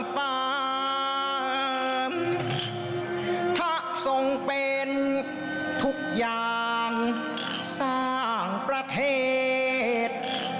พระทรงเป็นทุกอย่างสร้างประเทศ